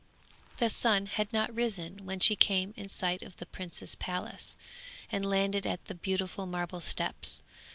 _] The sun had not risen when she came in sight of the prince's palace and landed at the beautiful marble steps.